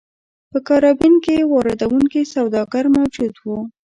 په کارابین کې واردوونکي سوداګر موجود وو.